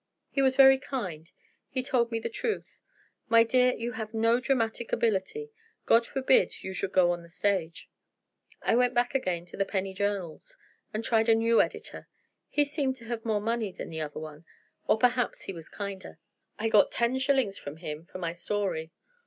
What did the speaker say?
He was very kind; he told me the truth. 'My dear, you have no dramatic ability; God forbid you should go on the stage.' I went back again to the penny journals, and tried a new editor. He seemed to have more money than the other one; or perhaps he was kinder. I got ten shillings from him for my story.